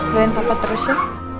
doain papa terus ya